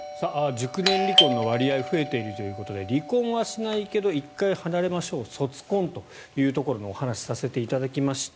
熟年離婚の割合が増えているということで離婚はしないけど１回離れましょう卒婚というお話をさせていただきました。